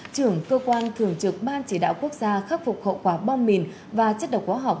trưởng cơ quan thường trực ban chỉ đạo quốc gia khắc phục hậu quả bom mìn và chất độc hóa học